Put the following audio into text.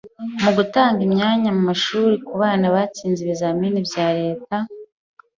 Mu gutanga imyanya mu mashuri ku bana batsinze ibizamini bya Leta,